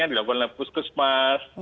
yang dilakukan oleh puskus mas